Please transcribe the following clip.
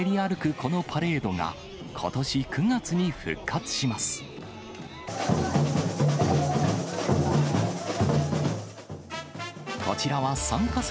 このパレードが、ことし９月に復活します。